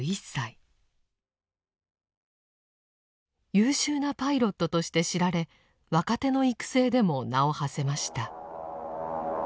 優秀なパイロットとして知られ若手の育成でも名をはせました。